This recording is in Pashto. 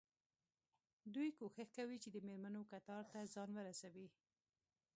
دوی کوښښ کوي چې د مېرمنو کتار ته ځان ورسوي.